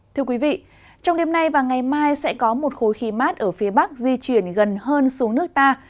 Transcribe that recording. thưa quý vị trong đêm nay và ngày mai sẽ có một khối khí mát ở phía bắc di chuyển gần hơn xuống nước ta